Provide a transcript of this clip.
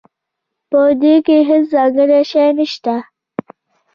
پدې کې هیڅ ځانګړی شی نشته